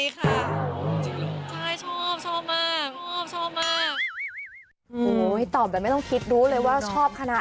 เขาติดต่อมา